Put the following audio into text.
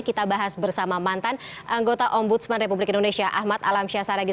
kita bahas bersama mantan anggota ombudsman republik indonesia ahmad alamsyah saragi